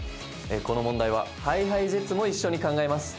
この問題はＨｉＨｉＪｅｔｓも一緒に考えます。